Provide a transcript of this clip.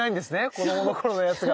子どもの頃のやつが。